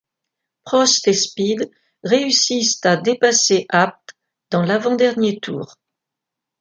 Prost et Speed réussissent à dépasser Abt dans l'avant-dernier tour.